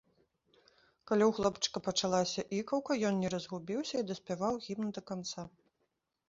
Калі ў хлопчыка пачалася ікаўка, ён не разгубіўся і даспяваў гімн да канца.